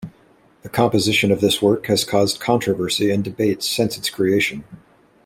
The composition of this work has caused controversy and debate since its creation.